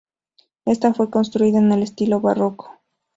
Esta fue construida en estilo barroco.